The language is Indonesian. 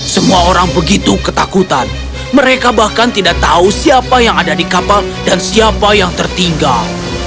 semua orang begitu ketakutan mereka bahkan tidak tahu siapa yang ada di kapal dan siapa yang tertinggal